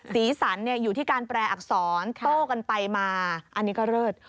สีสันอยู่ที่การแปลอักษรโต้กันไปมาอันนี้ก็เลิศ